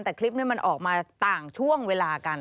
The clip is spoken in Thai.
แต่คลิปนี้มันออกมาต่างช่วงเวลากัน